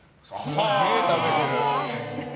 すげえ食べてる。